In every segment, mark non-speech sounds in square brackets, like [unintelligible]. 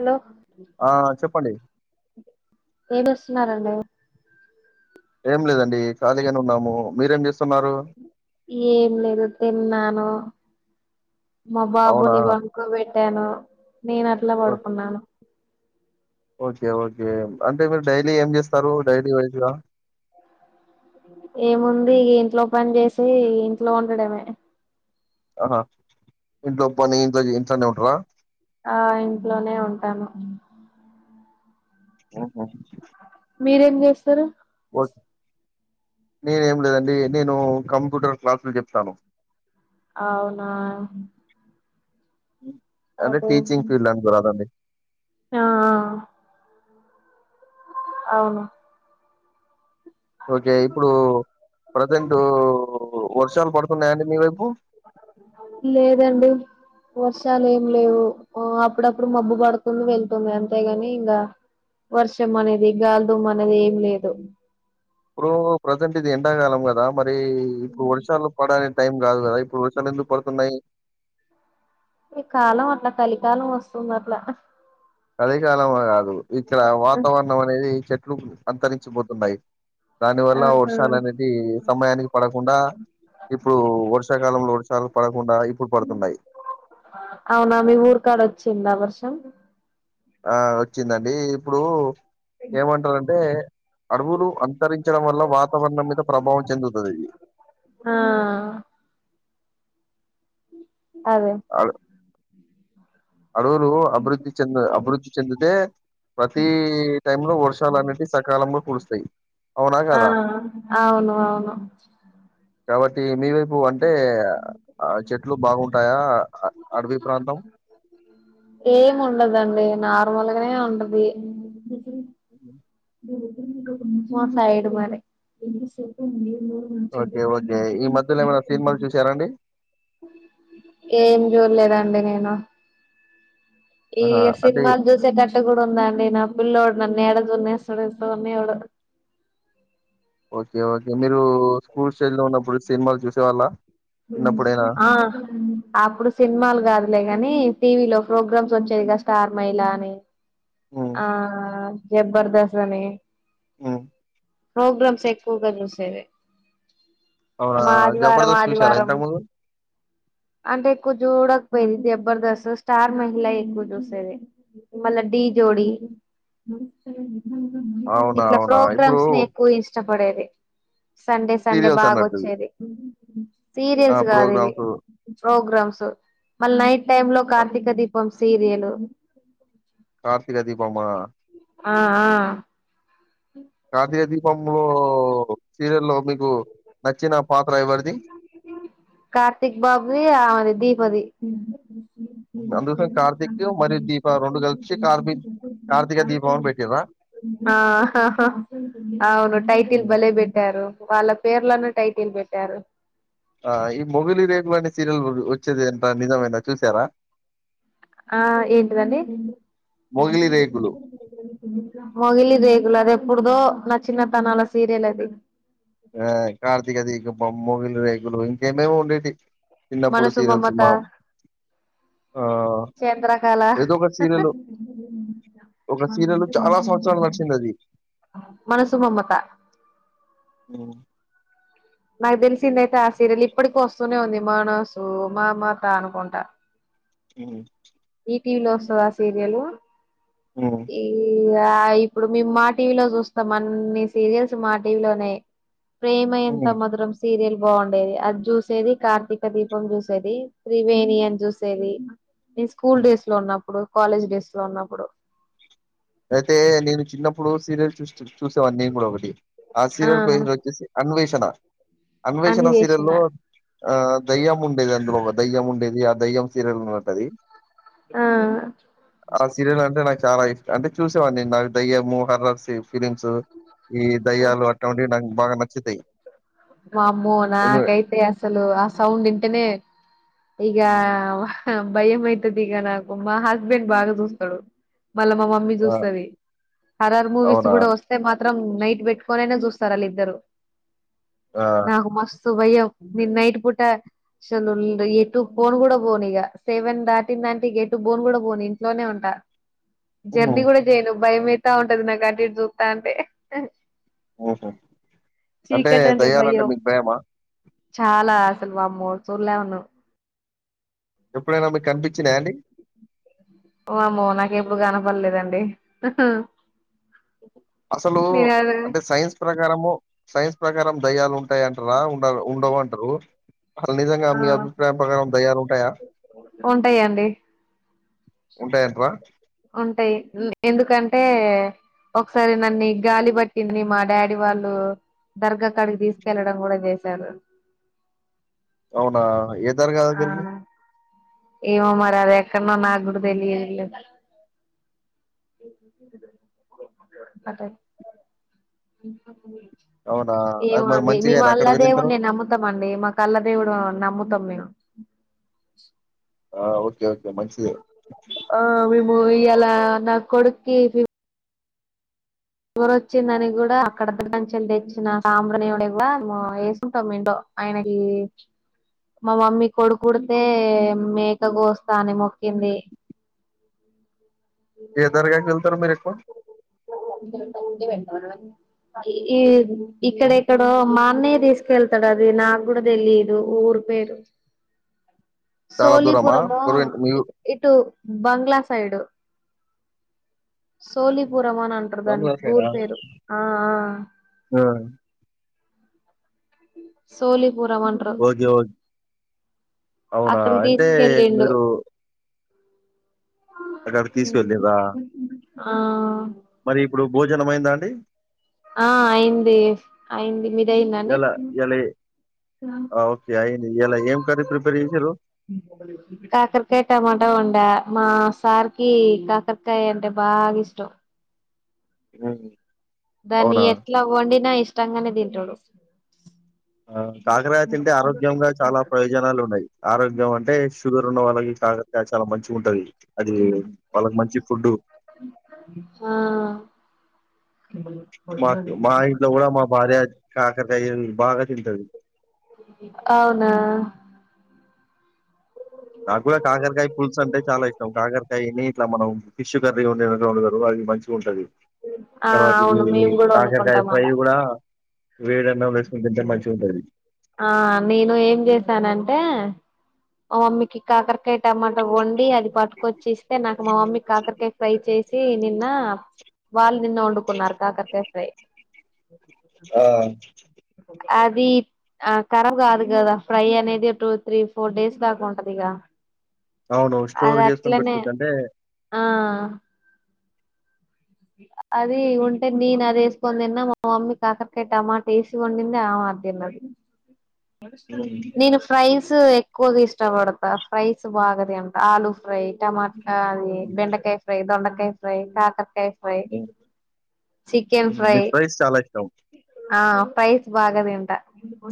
Hello ఆ చెప్పండి ఏమి ఇస్తున్నారండి ఏం లేదండి ఖాళీగానే ఉన్నాము మీరేం చేస్తున్నారు ఏం లేదు తిన్నాను మా అవునా బాబుని పడుకోబెట్టాను నేను అట్లా ఓ పడుకున్నాను ఓకే ఓకే అంటే మీరు డైలీ ఏంస్త ఏముంది ఇంట్లో పని చేసి ఇంట్లో ఉండడమే ఆహా ఇంత పని ఇంత ఇంతా న ఉంట్రా ఆ ఇంట్లోనే ఉంటాను ఆఓహ మీరేం చేస్తారు వాట్ నేనేం లేదండి నేను కంప్యూటర్ క్లాసులు చెప్తాను అవునా అంటే అదే టీచింగ్ ఫీల్డ్ అని బదండి ఆ అవును ఓకే ఇప్పుడు ప్రజెంట్ వర్షాలు పడుతున్నాయంండి మీ వైపు లేదండి వర్షాలు ఏం లేవు అప్పుడప్పుడు మబ్బు పడుతుంది వెళ్తుంది అంతేగాని ఇంకా వర్షం అనేది గాలి దుమ్ము అనేది ఏం లేదు ఇప్పుో ప్రజెంట్ ఇది ఎండాకాలం కదా మరి ఇప్పుడు వర్షాలు పడాల టైమ్ కాదు కదా ఇప్పుడు వర్షాలు ఎందుకు పడుతున్నాయి ఈ కాలం అట్లా కలికాలం వస్తుంది అట్లా కలికాలమా కాదు ఇక్కడ వాతావరణం అనేది చెట్లు అంతరించిపోతున్నాయి దాని వల్ల ఆహా వర్షాలు అనేది సమయానికి పడకుండా ఇప్పుడు వర్షాకాలంంలో వర్షాలు పడకుండా ఇప్పుడు పడుతున్నాయి అవునా మీ ఊరు కాడ వచ్చింద వర్షం ఆ వచ్చిందండి ఇప్పుడు ఏమంటారంటే అడవులు అంతరించడం వల్ల వాతావరణం మీద ప్రభావం చెందుతుంది ఆ అదే అడ అడవులు అభివృద్ధి చెంద అభివృద్ధి చెందితే ప్రతి టైమ్ లో వర్షాలు అనేటి సకాలంలో కురు స్తాయి ఆ అవును అవును కాబట్టి మీవే అంటే ఆ చెట్లు బాగుంటాయా అడవిీ ప్రాంతం ఏం ఉండదండి నార్మల్గానే ఉంటది అ మా సైడ్ మరి [inaudible] ఓకే. ఓకే. ఈ మధ్యలో ఏమైనా సినిమాలు చూసారాండి? ఏం చూడలేదాండి నేను ఈ ఆహా! అంటే సినిమాలు చూసేటట్టు కూడా ఉందండి న ఫుల్ లోడ్ నన్ను ఏడ సుడనిస్తాడు సుడనియ్యాడు ఓకే ఓకే మీరు స్కూల్ స్టేజ్ లో ఉన్నప్పుడు సినిమాలు చూసే వాళ్ళ ఆ అప్పుడు సినిమాలు కాదులే కాని టీవీలో ప్రోగ్రామ్స్ వచ్చేదిగా స్టార్ మా ఇలా అని హ్మ్. ఆ జబర్దస్త్ అని ఆ ప్రోగ్రామ్స్ ఎక్కువగా చూసేవి అవునా! మా ఆదివారం 'జబర్దస్త్' చూసారా ఆదివారం ఇంతకుముందు? అంటే ఏక్కో చూడ పోయింది జబర్దస్త్ స్టార్ మహిళ ఎక్కువ చూసేది మళ్ళ డి డి అవునా! ఇట్లా అవునా! ఇప్పుడు ప్రోగ్రామ్స్ నే ఎక్కువ ఇష్ట పడేది సండే సండే సీరియల్స్ అన్నట్టు. బాగాొచ్చేది ఆ! సీరియస్ కాదు ఇది ప్రోగ్రామ్స్ ప్రోగ్రామ్స్ మళ్ళ నైట్ టైమ్ లో ఆహ్, కార్తీక దీపం సీరియల్ కార్తక దీపమా ఆ ఆ కార్తీక దీపంలో సీరియల్ మీకు నచ్చిన పాత్ర ఎవరిది? కార్తిక్ బాబుది ఆమెది దీపది [inaudible] అందుకోసం 'కార్తీక్' మరియు 'దీప' కలిపి 'కార్తీ కార్తీక దీపం' అని పెట్టిర్రా? ఆ అవును టైటిల్ హ్మ్. బలేపేట్టారు వాళ్ళ పేర్లలను టైటిల్ పెట్టారు ఆ ఈ మొగిలి రేకుగు అనీ సీరియల్ వచ్చేది ఏంట నిజమేనా చూసారా ఆ ఏంటిదండి మొగిలి రేకులు మొగిలి రేకులు అదేప్ ప్పుడుదో నా చిన్న తానాల సీరియల్ అది ఆ కార్తీక దీకపం మొగిలి రేకులు ఇంకేమేమో ఉండేటి చిన్నప్పుడు మనసు సీరియల్స్ మమత మా ఆ చంద్రకళ ఏదో ఒకటి సీరియల్ ఒక సీరియల్ చాలా సంవత్సరాలు నడిచింది అది మనసు మమత ఉమ్ నాకు తెలిసింద అయితే ఆ సీరియల్ ఇప్పటికి వస్తూనే ఉంది మానసు మమత అనుకుంటా ఉమ్ ఈ టీ వి లో వస్తది ఆ సీరియల్ ఉమ్, ఈ ఇగ ఇప్పుడు మేం మా టీవీలో చూస్తాం అన్ని సీరియల్స్ మా టీవీలోనే ప్రేమ ఎంత ఉమ్, మధరం సీరియల్ బాగుండేది అది చూసేది కార్తీక దీపం చూసేది త్రివేనియన్ చూసేది నేను స్కూల్ ఉమ్. డేస్ లో ఉన్నప్పుడు కాలేజ్ డేస్ లో ఉన్నప్పుడు అయితే నేను చిన్నప్పుడు సీరియల్ చూస్ చు సేవన్నన్ని నీన్ కూడ ఒకటి ఆ సీరియల్ పేర్ వచ్చేసి అన్వేషణ అన్వేషణ అన్ని చేసిన సీరియల్లో ఆ దయ్యం ఉండేది అందులో ఒక దయ్యం ఉండేది ఆ దయ్యం సీరియల్ ఉంటది ఆ ఆ సీరియల్ అంటే నాకు చాలా ఇష్ అంటే చూసేవాడిన్ని నాకు దయ్యము హర్రర్సిఫ్ ఫీలిమ్స్ ఈ దయ్యాలు అట్లాంటివి నాకు బాగా నచ్చుతాయి వామ్మో ఎందు నాకైతే అసలు ఆ సౌండ్ ఇంటనే ఇగ హ్మ్. భయం అయితది ఇక నాకు మా హస్బెండ్ బాగా చూస్తాడు మళ్ళా మా మమ్మీ ఆ చూస్తుంది హరార్ మూవీస్ అవునా కూడా వస్తే మా అరం నైట్ పెట్టుకొనేనే చూస్తారు వాళ్ళిద్దరు ఆ నాకు మస్ స్తు భయం ని నైట్ పూట సలు టు బోన్ కూడా పోను ఇగ సెవెన్ దాటిందంటే ఇ గ ఎ టు బోన్ కూడా పోను ఇంట్లోనే ఉంటా ఉహు జర్నీ కూడా చేయను భయమయితా ఉంటది నాకు అటు ఇటు చూత్తంటే ఉహు అంటే దయ్యాలంటే మీకు భేమా చాలా అసలు వామ్మోడు చూల్లఉను ఎప్పుడైనా మీకు కనిపించినాయాండి వామ్మో నాకెప్పుడు కనపడలేదండి అసలు నేను అది అంటే సైన్స్ ప్రకారము సైన్స్ ప్రకారం దయ్యాలు ఉం ఉంటాయంటార ఉండ ఉండవుంటారు అసలు నిజంగా ఆ మీ అభిప్రాయం ప్రకారం దయ్యాలు ఉంటాయా ఉంటాయాండి ఉంటాయంటరా ఉంటాయి ఎందుకంటే ఒకసారి నన్నిగాలి పట్టింది మా డాడీ వాళ్ళు దర్గా కాడికి తీసుకెళ్ళడం కూడా చేశారు అవునా ఏ దర్గా దగ్గరికి ఆ ఏమో మరి అదేక్కడనో నాకు కూడా తెలియదు లే అటే అవునా అది ఏమో మరి అండి మేము మంచిగారా అక్కడ వెళ్ళిన తర్వాత అల్లదేవుడిన్ని నమ్ముతాం అండి మాకు అల్లదేవుడు నమ్ముతాం మేము [unintelligible] ఆ ఓకే ఓకే మంచిదే ఒ ఇయ్యాల నా కొడుక్కి ఫిఫ్ వర్ వచ్చిందని కూడా అక్కడ దర్గాంచేలి తెచ్చిన సాంబ్రాణి వేసుంటాం, ఇంట్లో ఆయనకి మా మమ్మీ కొడుకుపుడితే మేక గోస్తా అని మొక్కింది. ఏ దర్గా కి వెళ్తారు మీరు ఎక్కువ ఈ ఇక్కడ ఇక్కడో మా అన్నయ్య తి తీసుకెళ్తాడు, అది నాకు కూడా తెలిదు ఊరు పేరు చాలా దూరమా సోళీపురమో గురువిన్ మీ ఇ ఇటు బంగ్లా సైడు సోలి ఓమన్ అంటారు దాని, బంగ్లా ఊరి సైడా పేరు ఆ ఆ ఆ సోలిపురం అంటారు ఓకే ఓకే అవునా అక్కడికి అంటే తీసుకెళ్ళిండు మీరు మీకు అక్కడ తీసుకెళ్ళిరా ఆ మరి ఇప్పుడు భోజనం అయిందా, అండి ఆ అయింది అయింది, మీది అయిందండి ఎలా ఈయల ఎం కర్రీ ప్రిపేర్ చేసిరు కాకరకాయ టమాటా వండా మా సార్ కి కాకరకాయ అంటే బాగా ఇష్టం [unintelligible] ఉమ్ దాన్ని ఎట్లా వండినా ఇష్టంగానే తింటాడు ఆ కాకరకాయ తింటే ఆరోగ్యంగా చాలా ప్రయోజనాలు ఉన్నాయి, ఆరోగ్యం అంటే షుగర్ ఉన్న వాళ్ళకి కాక కాయ చాలా మంచిగా ఉంటది అది వాళ్ళకు మంచి ఫుడ్ ఆ మాకు మా ఇంట్లో కూడా మా భార్య కాకరకాయ బాగా తింటది అవునా నాకు కూడా కాకరకాయ పులుసు అంటే చాలా ఇష్టం, కాకరకాయని ఇట్లా మనం ఫిష్ కర్రీ వండినట్టు వండుతారు ఇ మంచిగా ఉంటది, ఆ తర్వాత కి అవును మేము ఇది కూడా కాకరకాయ వండుకుంటాం ఫ్రై అలా కూడా వేడి అన్నాం వేసుకోని తింటే మంచిగా ఉంటది. ఆ నేను ఏం చేసానంటే మా మమ్మీకి కాకరకాయ టమాటా వండి అది పట్టుకొచ్చేస్తే నాకు మా మమ్మీ కాకరకాయ ఫ్రై చే సి నిన్న వాళ్ళు నిన్న వండుకున్నారు, కాకరకాయ ఫ్రై ఆ అది ఆ కరబ్ కాదు కదా ఫ్రై అనేది టూ త్రీ ఫోర్ డేస్ దాకా ఉంటది, గా అవును స్టోర్ అది చేసుకొని అట్లనే పెట్టుకోవచ్చు అంటే ఆ [unintelligible] అది ఉంటే, నేను అది వేసుకోని తిన్న మా మమ్మీ కాకరకాయ టమాట వేసి వండింది, ఆమ అది తిన్నది [unintelligible] హ్మ్. నేను ఫ్రైస్ ఫ్రైస్ ఎక్కువగా ఇష్టపడతా ఫ్రైస్ బాగాతింటా, ఆలు ఫ్రై, టమాట ఆ అది హ్మ్. బెండకాయ ఫ్రై, దొండకాయ ఫ్రై, కాకరకాయ ఫ్రై చికెన్ హ్మ్. ఫ్రై మీకు ఫ్రైస్ చాలా ఇష్టం. ఆ ప్రైస్ బాగా తింటా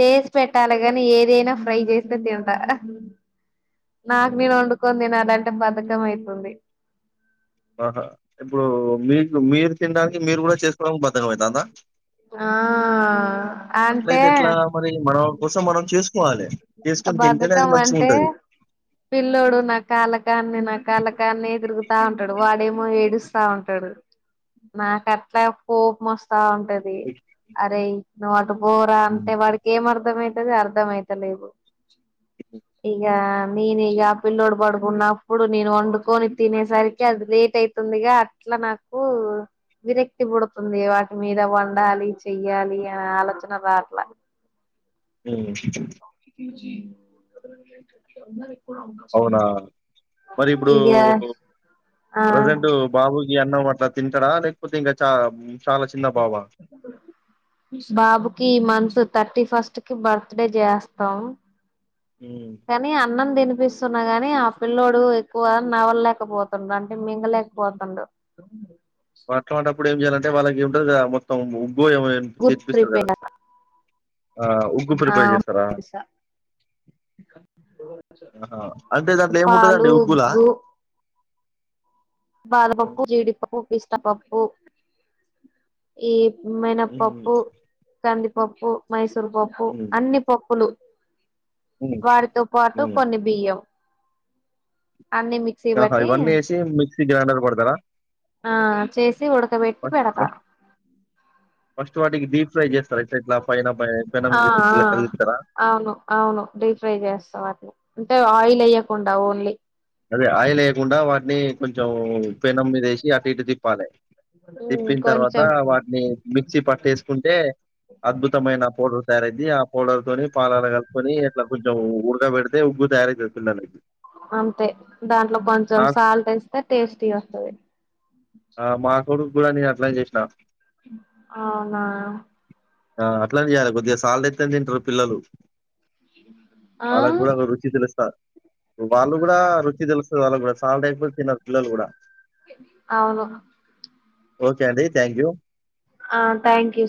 చేసి చేసి పెట్టాలి, కానీ ఏదైనా ఫ్రై చేస్తే తింటా నాకు హ్మ్. నేను వండుకొని తినాల, ంటే పెద్ద బధకం అయితుంది. ఆహా ఇప్పుడు మీకు, మీరు తినడానికి మీరు కూడా చేసుకోవడానికి బధకం అవుతందా. ఆ అంటే అట్లయితే ఎట్లా మరి, మన కోసం మనం చేసు బధకం అంటే పిల్లోడు నా కాలకానే నా కాలకానే తిరుగుతా ఉంట ంటడు వాడేమో ఏడుస్తా ఉంటాడు నాకు అట్లా కోపం వస్త స్తా ఉంటది అరే నువ్వు అటు పోరా హ్మ్. అంటే వాడికి ఏం అర్థమవుతుంది అర్థమయిత లేవు ఇగా నేను ఇగ పిల్లోడు పడుకున్నప్పుడు నేను వండుకొని తినేసరికి అది లేట్ అవుతుందిగా ఇట్లా నాకు విరక్తి పుడుతుంది వాటి మీద వండాలి చెయ్యాలి అనే ఆలోచన రావట్లా హ్మ్మ్ అవునా మరి ఇప్పుడు ఇగ ఆ ప్రజెంట్ బాబు ఈ అన్నం అట్లా తింటారా లేకపోతే ఇంకా చ బాబుకి మంత్ థర్టీ ఫస్ట్ కి బర్త్ డే చేస్తాం హ్మ్. కానీ అన్నం తినిపిస్తూ న్నా కాని ఆ పిల్లోడు ఎక్కువ నవలలేకపోతుండు అంటే మింగలేకపోతుండు డాక్టర్ అట్లాంటప్పుడు ఏం చేయాలంటే వాళ్ళకి ఉంటంది క మొత్తం ఇంట్లో ఏమైనా గుడ్ చేపిస్తారు కదా ప్రిపేర్ ఆ ఉగ్గు ఆ ప్రిపేర్ చేస్తారా ఆహా అంటే దాంట్లో పాలు ఏముంటదండి ఉగ్గులా ఉగ్గు హ్మ్. బాదపప్పు జీడిపప్పు పిస్తా పప్పు ఈ హ్మ్. మినపప్పు కందిపప్పు మైసూర్ పప్పు హ్మ్. అన్ని పప్పులు హ్మ్. వారితో పాటు హ్మ్. కొన్ని బియ్యం అన్ని మిక్సీ ఆహా బట్టి ఇవన్నీ ఏ సి మిక్స్ పిండిలా నల కొడతారా ఆ చేసి బ ఉడకబెట్టి పెడతా బస్ ఫస్ట్ వాటికి డీప్ ఫ్రై చేస్త ఆ ఆ కదిలిస్తారా అవును అవును డీప్ ఫ్రై చేస్తావు అది అంటే ఆయిల్ ఎయ్యకుండా ఓన్లీ అదే ఆయిల్ లేకుండా వాటిని కొంచెం పెన్నం మీదేసి అటు ఇటు తిప్పాలి ఉమ్ తిప్పిన తర్వాత కొంచెం వాటిని మిక్సీ పట్టేసుకుంటే అద్భుతమైన పౌడర్ తయారుఅయితది పౌడర్తోని పాలాల కలుపుకొని ఇట్లా కొంచెం ఉఊడక పెడితే ఉగ్గు తయార చేస్తుండనుది అంతే దాంట్లో కొంచెం సాల్ట్ ఏస్తే టేస్టీ వస్తుంది ఆ మా కొడు కూడా నేను అట్లా చేసినా అవునా ఆ అట్లానే చేయాలి కొద్దిగా సాల్ట్ ఎస్తేనే తింటారు పిల్లలు ఆ వాళ్ళ కూడా కూడా రుచి తెలుస్తా వాళ్ళు కూడా రుచి తెలుస్తుంది వాళ్ళు కూడాసాల్ట్ ఎయికపోతే తిన్నరు పిల్లలు కూడా అవును ఓకే అడి థ్యాంక్ యూ ఆ థ్యాంక్ యూ